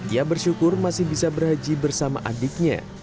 ia bersyukur masih bisa berhaji bersama adiknya